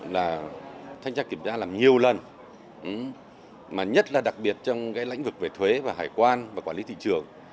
là thanh tra kiểm tra làm nhiều lần mà nhất là đặc biệt trong cái lĩnh vực về thuế và hải quan và quản lý thị trường